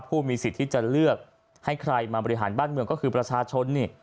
ผู้มีสิทธิ์ที่จะเลือกให้ใครมาบริหารบ้านเมืองก็คือประชาชนนี่